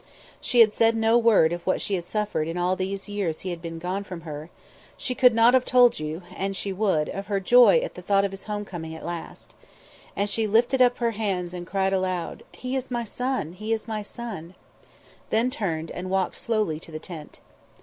She had said no word of what she had suffered in all these years he had been gone from her; she could not have told you, an' she would, of her joy at the thought of his home coming at last. And she lifted up her hands and cried aloud: "He is my son! He is my son!" Then turned and walked slowly to the tent.